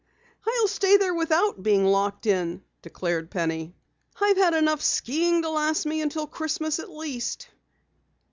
"I'll stay there without being locked in," declared Penny. "I've had enough skiing to last me until Christmas at least."